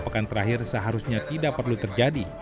pekan terakhir seharusnya tidak perlu terjadi